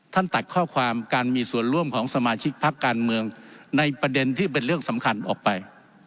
ตักข้อความการมีส่วนร่วมของสมาชิกพักการเมืองในประเด็นที่เป็นเรื่องสำคัญออกไป